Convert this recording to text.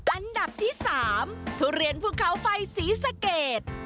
อันดับที่๓ทุเรียนภูเขาไฟศรีสะเกด